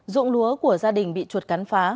dụng lúa của gia đình bị chuột cắn phá